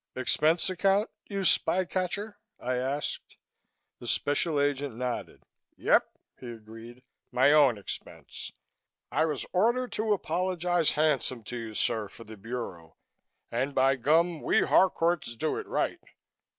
"Expense account, you spy catcher?" I asked. The Special Agent nodded. "Yep," he agreed. "My own expense. I was ordered to apologize handsome to you, sir, for the Bureau, and by gum we Harcourts do it right.